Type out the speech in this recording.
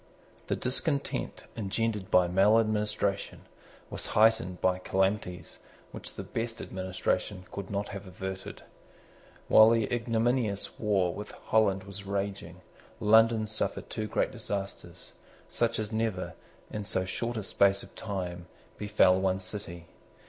The discontent engendered by maladministration was heightened by calamities which the best administration could not have averted. While the ignominious war with Holland was raging, London suffered two great disasters, such as never, in so short a space of time, befel one city.